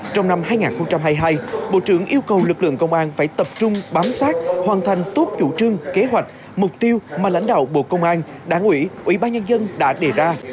trong năm hai nghìn hai mươi hai bộ trưởng yêu cầu lực lượng công an phải tập trung bám sát hoàn thành tốt chủ trương kế hoạch mục tiêu mà lãnh đạo bộ công an đảng ủy ủy ban nhân dân đã đề ra